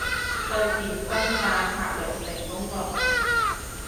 對面分化策略成功囉